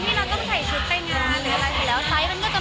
มันเหมือนกับมันเหมือนกับมันเหมือนกับ